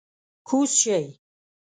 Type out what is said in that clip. کوز شئ!